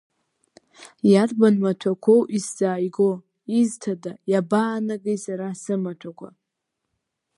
Иарбан маҭәақәоу исзааиго, изҭада, иабаанагеи сара сымаҭәақәа?